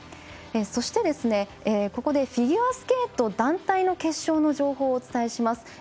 そして、ここでフィギュアスケート団体の決勝の情報をお伝えします。